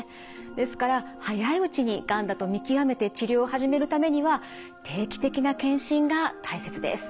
ですから早いうちにがんだと見極めて治療を始めるためには定期的な検診が大切です。